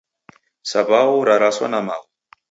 Saw'au ralaswa na magho.